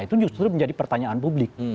itu justru menjadi pertanyaan publik